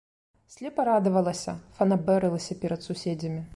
Слепа радавалася, фанабэрылася перад суседзямі.